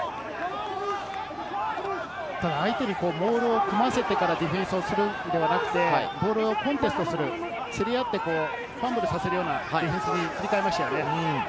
相手にモールを組ませてからディフェンスをするんではなくて、ボールをコンタクトする、擦り合って、ファンブルさせるようなディフェンスに切り替えましたね。